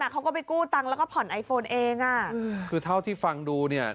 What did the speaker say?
เขาก็ไปกู้ตังค์แล้วพบทางซึ่งคือเท่าที่ฟังดูเนี่ย